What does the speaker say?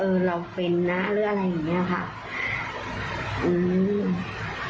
ก็เลยอัดคลิปบอกลูกค้าที่มาที่ร้านในช่วง๘๑๔เมษายน